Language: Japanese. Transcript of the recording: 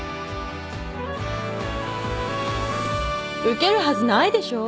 受けるはずないでしょ